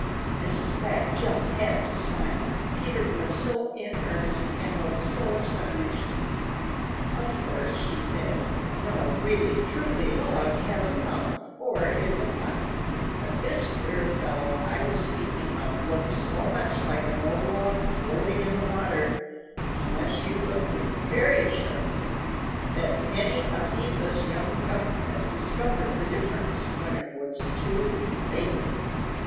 Mrs. Quack just had to smile, Peter was so in earnest and looked so astonished. "Of course," said she, "no really truly log has a mouth or is alive, but this queer fellow I was speaking of looks so much like an old log floating in the water unless you look at him very sharply, that many a heedless young Duck has discovered the difference when it was too late.